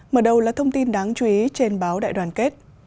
mở đầu là thông tin đáng chú ý trên báo đại đoàn kết